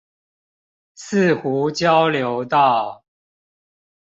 四湖交流道